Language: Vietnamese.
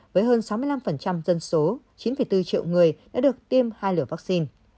với hơn sáu mươi năm dân số chín bốn triệu người đã được tiêm hai lửa vắc xin